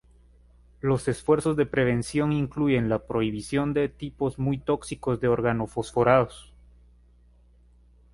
Los esfuerzos de prevención incluyen la prohibición de tipos muy tóxicos de organofosforados.